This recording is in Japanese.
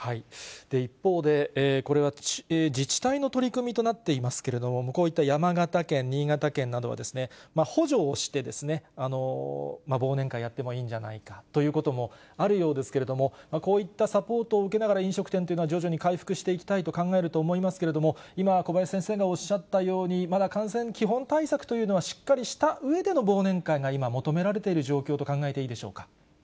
一方で、これは自治体の取り組みとなっていますけれども、こういった山形県、新潟県などは補助をして、忘年会やってもいいんじゃないかということもあるようですけれども、こういったサポートを受けながら、飲食店というのは徐々に回復していきたいと考えると思いますけれども、今、小林先生がおっしゃったように、まだ感染、基本対策というのはしっかりしたうえでの忘年会が今、求められている状況と考えていいでしょうか。